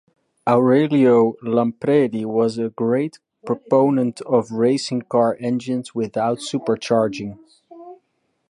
Aurelio Lampredi was a great proponent of racing-car engines without supercharging.